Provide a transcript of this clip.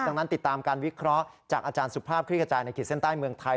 ดังนั้นติดตามการวิเคราะห์จากอาจารย์สุภาพคลิกกระจายในขีดเส้นใต้เมืองไทย